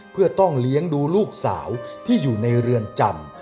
เพื่อต้องเลี้ยงดูลูกสาวที่อยู่ในเรือนจำ